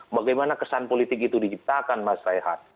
bagaimana kesan politik itu diciptakan mas rehat